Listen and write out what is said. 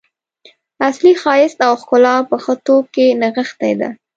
اصلي ښایست او ښکلا په ښه توب کې نغښتې ده.